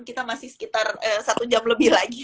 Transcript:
kita masih sekitar satu jam lebih lagi